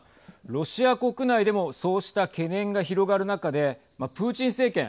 ロシア国内でもそうした懸念が広がる中でプーチン政権